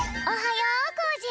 おはよう。